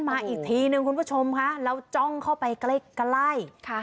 มาอีกทีนึงคุณผู้ชมค่ะแล้วจ้องเข้าไปใกล้